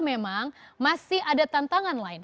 memang masih ada tantangan lain